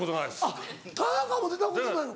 あっ田中出たことないの？